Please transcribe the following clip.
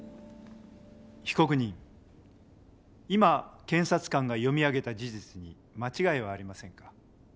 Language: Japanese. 被告人今検察官が読み上げた事実に間違いはありませんか？